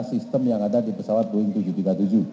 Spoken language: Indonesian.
sistem yang ada di pesawat boeing tujuh ratus tiga puluh tujuh